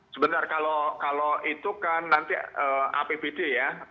sebentar kalau itu kan nanti apbd ya